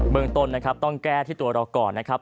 เบื้องต้นต้องแก้ที่ตัวเราก่อนนะครับ